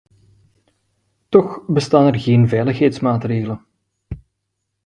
Toch bestaan er geen veiligheidsmaatregelen.